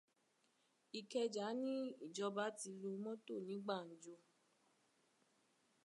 Ìkẹjà ní ìjọba ti lu mọ́tò ní gbànjọ.